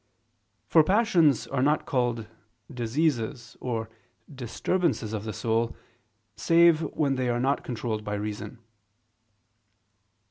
For passions are not called "diseases" or "disturbances" of the soul, save when they are not controlled by reason.